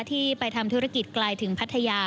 ที่ไปทำธุรกิจไกลถึงพัทยา